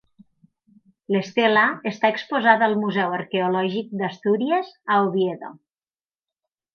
L'estela està exposada al Museu Arqueològic d'Astúries, a Oviedo.